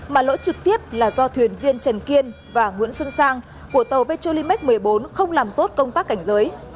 mà lỗi trực tiếp là do thuyền viên trần kiên và nguyễn xuân sang của tàu petrolimax một mươi bốn không làm tốt công tác cảnh giới